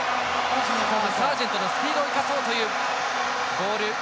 サージェントのスピードを生かそうかというボール。